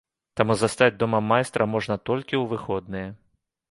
Таму застаць дома майстра можна толькі ў выходныя.